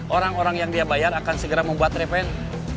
orang orang yang dia bayar akan segera membuat revenue